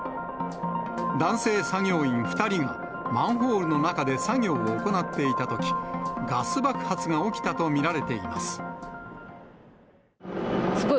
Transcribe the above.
男性作業員２人が、マンホールの中で作業を行っていたとき、ガス爆発が起きたと見らすごい